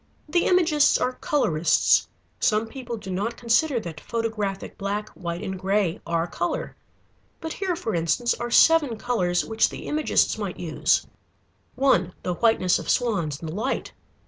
The Imagists are colorists. Some people do not consider that photographic black, white, and gray are color. But here for instance are seven colors which the Imagists might use: (1) The whiteness of swans in the light.